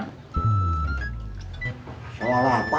kawaran pak badun kemarin gimana